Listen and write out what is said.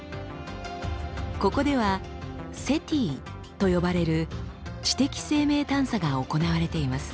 ここでは「ＳＥＴＩ」と呼ばれる知的生命探査が行われています。